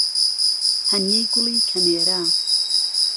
ههنیەی گوڵی کهنێره